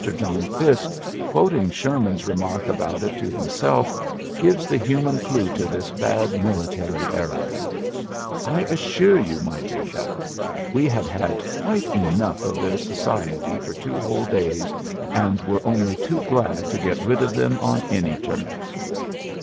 Jolin Fiske, quoting Sherman's re mark about it to himself, gives the human clew to this bad military error : "I assure you, my dear fellow, we had had quite enough of their society for two whole days, and were only too glad to get rid of them on any terms.''